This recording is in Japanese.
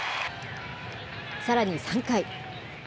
さらに３回。